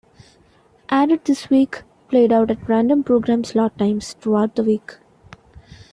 "Added This Week" played out at random programme slot times throughout the week.